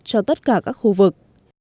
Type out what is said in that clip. cho tất cả các khu vực